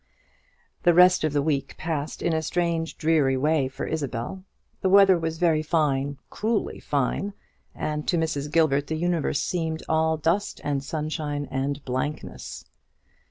The rest of the week passed in a strange dreary way for Isabel. The weather was very fine, cruelly fine; and to Mrs. Gilbert the universe seemed all dust and sunshine and blankness.